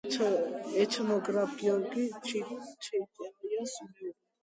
ეთნოგრაფ გიორგი ჩიტაიას მეუღლე.